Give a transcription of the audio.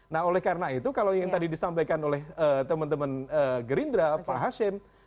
nah oleh karena itu kalau yang tadi disampaikan oleh teman teman gerindra pak hashim